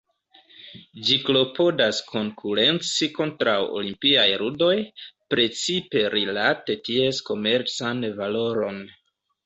Ĝi klopodas konkurenci kontraŭ Olimpiaj Ludoj, precipe rilate ties komercan valoron.